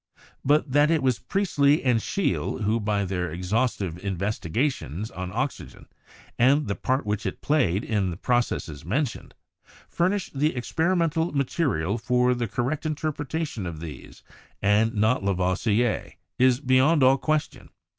But that it was Priestley and Scheele, who, by their exhaustive investigations on oxygen and the part which it played in the processes mentioned, furnished the experimental material for the correct inter pretation of these, and not Lavoisier, is beyond all ques tion.